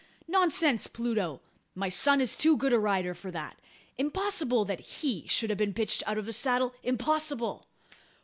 Nonsense, Pluto! My son is too good a rider for that. Impossible that he should have been pitched out of the saddle impossible!"